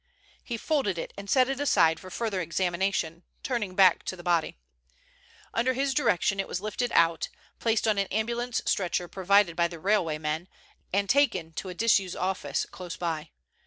He folded it and set it aside for further examination, turning back to the body. Under his direction it was lifted out, placed on an ambulance stretcher provided by the railwaymen, and taken to a disused office close by.